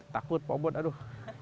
takut pak obot aduh